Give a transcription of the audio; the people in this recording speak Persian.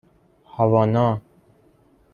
هاوانا